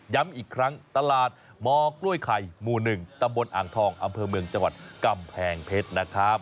อีกครั้งตลาดมกล้วยไข่หมู่๑ตำบลอ่างทองอำเภอเมืองจังหวัดกำแพงเพชรนะครับ